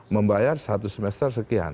membayar satu semester sekian